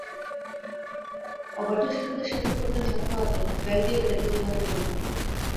অবাধ্য শিশুদের শাসন করতেন শক্ত হাতে, বেল্ট দিয়ে পেটাতেও দ্বিধা করতেন না।